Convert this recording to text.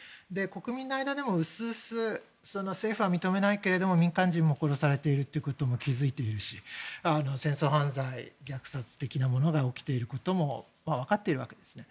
国民の間でも、薄々政府は認めないけれども民間人も殺されているということにも気付いているし戦争犯罪、虐殺的なことが起きていることも分かっているわけですね。